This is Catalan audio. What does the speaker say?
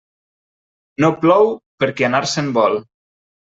No plou per qui anar-se'n vol.